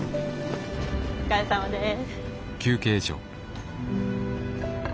お疲れさまです。